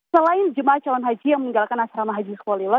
selain jemaah calon haji yang meninggalkan asrama haji sukolilo